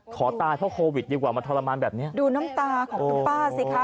ขอตายเพราะโควิดดีกว่ามาทรมานแบบเนี้ยดูน้ำตาของคุณป้าสิคะ